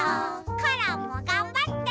コロンもがんばって！